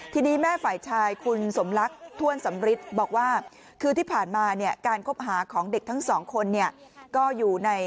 ทีนี้แม่ฝ่ายชายคุณสมรักถ้วนสำริทบอกว่าคือที่ผ่านมาเนี่ย